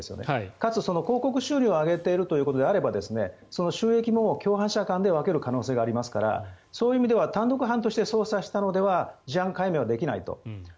かつ、広告収入を上げているということであればその収益も共犯者間で分ける可能性がありますからそういう意味では単独犯として捜査したのでは事案解明はできないと。